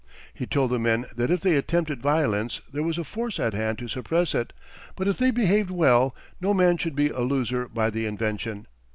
He told the men that if they attempted violence there was a force at hand to suppress it, but if they behaved well no man should be a loser by the invention.